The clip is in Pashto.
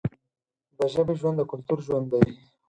د ژبې ژوند د کلتور ژوند دی.